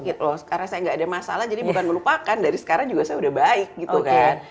gak begitu loh karena saya gak ada masalah jadi bukan melupakan dari sekarang juga saya udah baik gitu kan